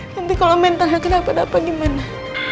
nanti kalo mentalnya kenapa napa gimana